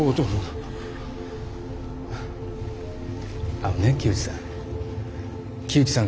あのね木内さん。